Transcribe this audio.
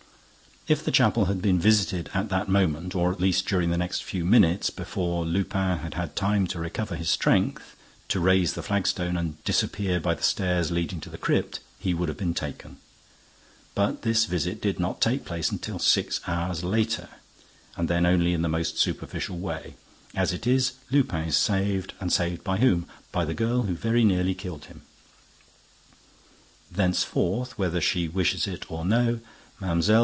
If the chapel had been visited at that moment or at least during the next few minutes, before Lupin had had time to recover his strength, to raise the flagstone and disappear by the stairs leading to the crypt, he would have been taken. But this visit did not take place until six hours later and then only in the most superficial way. As it is, Lupin is saved; and saved by whom? By the girl who very nearly killed him. Thenceforth, whether she wishes it or no, Mlle.